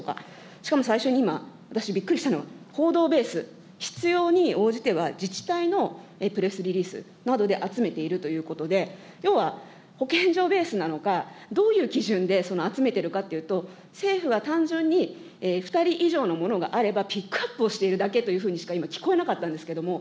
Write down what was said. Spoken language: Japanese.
しかも最初に今、私、びっくりしたのは報道ベース、必要に応じては自治体のプレスリリースなどで集めているということで、要は保健所ベースなのか、どういう基準でその集めているかというと、政府は単純に２人以上のものがあれば、ピックアップをしているだけというふうにしか、今、聞こえなかったんですけども。